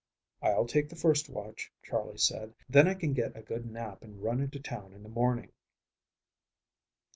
"I'll take the first watch," Charley said, "then I can get a good nap and run into town in the morning."